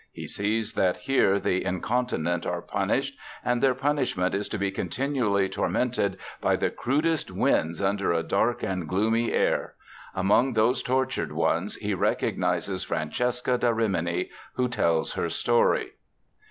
He sees that here the incontinent are punished, and their punishment is to be continually tormented by the crudest winds under a dark and gloomy air. Among these tortured ones he recognizes Francesca da Rimini, who tells her story.